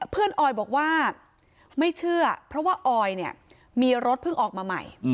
เพื่อนออยบอกว่าไม่เชื่อเพราะว่าออยมีรถเพิ่งออกมาใหม่